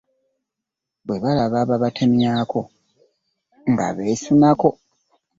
Bwe balaba ababatemyako nga beesunako.